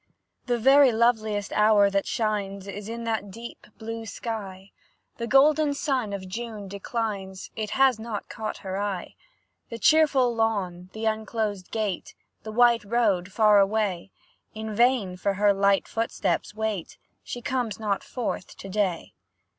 The very loveliest hour that shines, Is in that deep blue sky; The golden sun of June declines, It has not caught her eye. The cheerful lawn, and unclosed gate, The white road, far away, In vain for her light footsteps wait, She comes not forth to day.